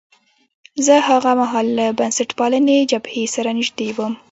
زه هاغه مهال له بنسټپالنې جبهې سره نژدې وم.